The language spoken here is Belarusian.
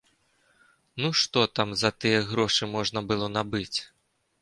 Ну, што там за тыя грошы можна было набыць?